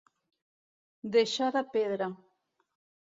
Deixar de pedra.